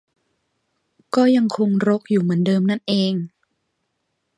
ก็ยังคงรกอยู่เหมือนเดิมนั่นเอง